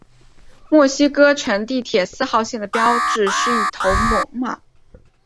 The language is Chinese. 墨西哥城地铁四号线的标志就是一头猛犸。